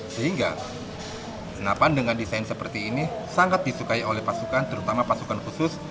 sehingga senapan dengan desain seperti ini sangat disukai oleh pasukan terutama pasukan khusus